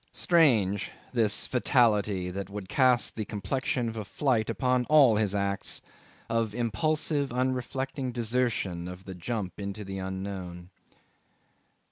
Strange, this fatality that would cast the complexion of a flight upon all his acts, of impulsive unreflecting desertion of a jump into the unknown.